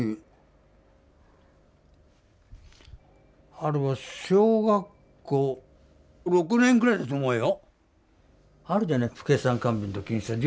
あれは小学校６年くらいだと思うよ。